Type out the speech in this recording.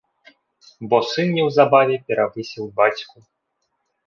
Бо сын неўзабаве перавысіў бацьку.